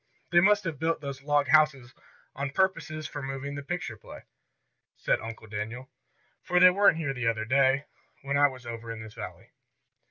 "They must have built those log houses on purposes for the moving picture play," said Uncle Daniel. "For they weren't here the other day, when I was over in this valley."